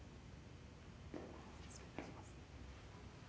失礼いたします。